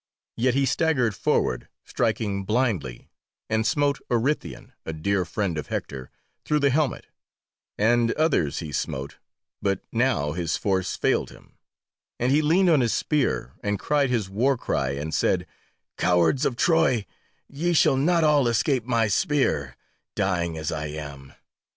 Yet he staggered forward, striking blindly, and smote Orythaon, a dear friend of Hector, through the helmet, and others he smote, but now his force failed him, and he leaned on his spear, and cried his warcry, and said, "Cowards of Troy, ye shall not all escape my spear, dying as I am."